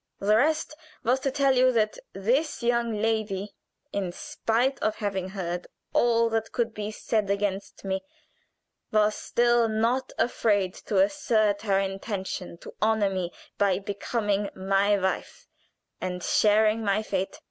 The rest was to tell you that this young lady in spite of having heard all that could be said against me was still not afraid to assert her intention to honor me by becoming my wife and sharing my fate.